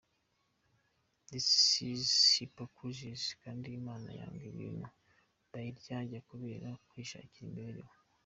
This is Hypocrisy kandi imana yanga abantu bayiryarya kubera kwishakira imibereho.